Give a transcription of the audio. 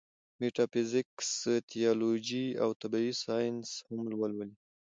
ميټافزکس ، تيالوجي او طبعي سائنس هم ولولي